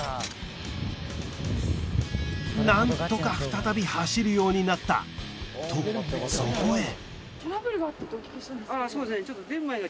何とか再び走るようになったとそこへ！